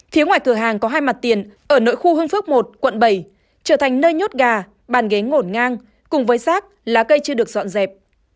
phía ngoài cửa hàng có hai mặt tiền ở nội khu hương phước một quận bảy trở thành nơi nhốt gà bàn ghế ngổn ngang cùng với rác lá cây chưa được dọn dẹp